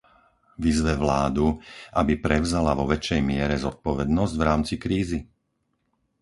Vyzve vládu, aby prevzala vo väčšej miere zodpovednosť v rámci krízy?